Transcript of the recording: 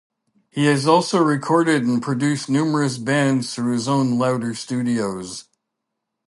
He has also recorded and produced numerous bands through his own Louder Studios.